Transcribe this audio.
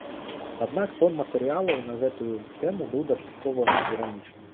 Аднак тон матэрыялаў на гэтую тэму быў дастаткова іранічны.